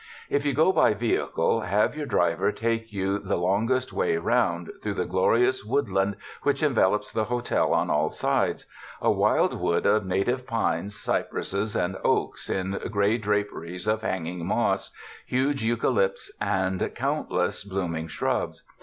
If you go by vehicle, have your driver take you the longest way round through the glorious woodland which envelopes the hotel on all sides — a wildwood of na tive pines, cypresses and oaks in gray draperies of hanging moss, huge eucalypts and countless bloom ing shrubs.